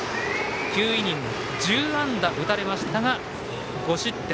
９イニング１０安打打たれましたが５失点。